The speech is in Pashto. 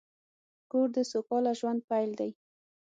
کور د سوکاله ژوند پیل دی.